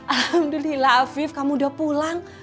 alhamdulillah afif kamu udah pulang